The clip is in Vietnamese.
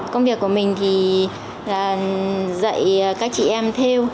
công việc của mình thì dạy các chị em theo